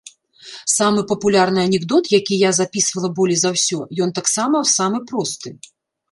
Самы папулярны анекдот, які я запісвала болей за ўсе, ён таксама самы просты.